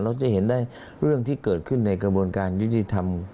เราจะเห็นได้เรื่องที่เกิดขึ้นในกระบวนการยุติธรรม